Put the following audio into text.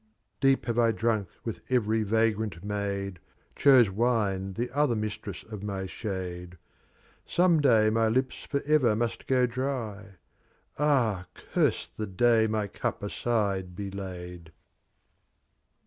X, Deep have I dnjnk wrth every vagrant MsJd P Chose Witt? the other Mistress of m> Shade. Some day Itfy Lips forever must go dry. Ah, curse the Day my Cup aside be laid.